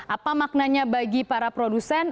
apa maknanya bagi para produsen